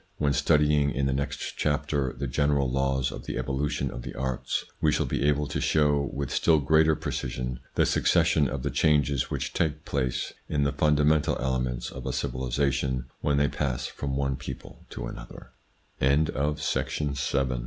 When studying, in the next chapter, the general laws of the evolution of the arts, we shall be able to show with still greater precision the succession of the changes which take place in the fundamental elements of a civilisation when they pass from one